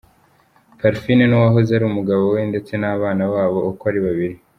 Parfine n’uwahoze ari umugabo we ndetse n’abana babo uko ari babiri